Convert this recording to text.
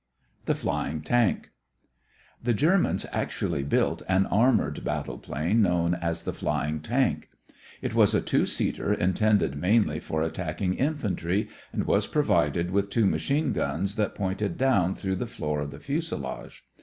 THE FLYING TANK The Germans actually built an armored battle plane known as the flying tank. It was a two seater intended mainly for attacking infantry and was provided with two machine guns that pointed down through the floor of the fuselage.